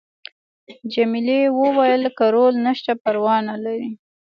جميلې وويل:: که رول نشته پروا نه لري.